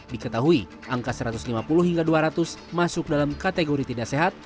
diketahui angka satu ratus lima puluh hingga dua ratus masuk dalam kategori tidak sehat